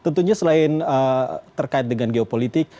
tentunya selain terkait dengan geopolitik